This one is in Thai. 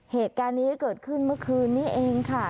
เหตุการณ์นี้เกิดขึ้นเมื่อคืนนี้เองค่ะ